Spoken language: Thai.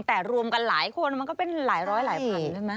แต่รวมกันหลายคนมันก็เป็นหลายร้อยหลายพันใช่ไหม